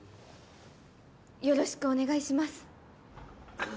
よろしくお願いします。